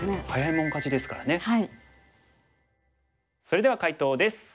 それでは解答です。